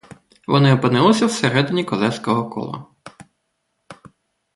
Вози опинилися в середині козацького кола.